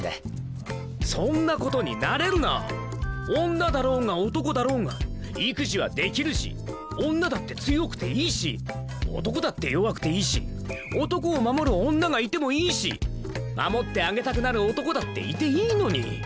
女だろうが男だろうが育児はできるし女だって強くていいし男だって弱くていいし男を守る女がいてもいいし守ってあげたくなる男だっていていいのに！